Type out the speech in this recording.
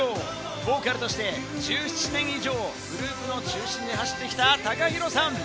ボーカルとして１７年以上、グループの中心で走ってきたＴＡＫＡＨＩＲＯさん。